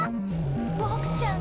ボクちゃん